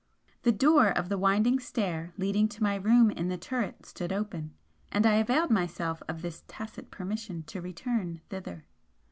The door of the winding stair leading to my room in the turret stood open and I availed myself of this tacit permission to return thither.